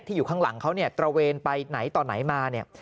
อยู่ข้างหลังเขาเนี่ยตระเวนไปไหนต่อไหนมาเนี่ย